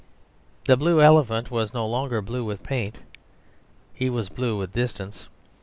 The blue elephant was no longer blue with paint; he was blue with distance.